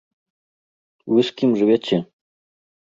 Вы з кім жывяце?